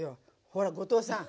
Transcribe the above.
ほら後藤さん。